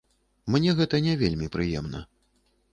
Мне гэта не вельмі прыемна.